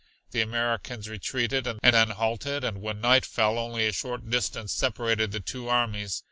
The Americans retreated and then halted and when night fell only a short distance separated the two armies.